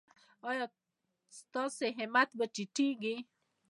ایا ستاسو همت به ټیټیږي؟